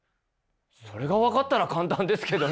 それが分かったら簡単ですけどね。